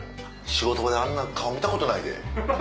仕事場であんな顔見たことないで。